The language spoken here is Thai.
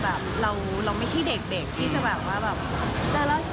แบบเราไม่ใช่เด็กที่จะแบบว่าแบบเจอแล้ว